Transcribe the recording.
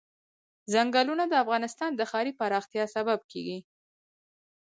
ځنګلونه د افغانستان د ښاري پراختیا سبب کېږي.